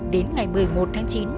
đến ngày một mươi một tháng chín